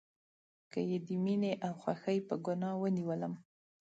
که یې د میینې او خوښۍ په ګناه ونیولم